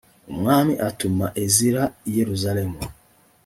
umwami atuma ezira i yerusalemu